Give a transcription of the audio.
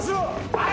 はい！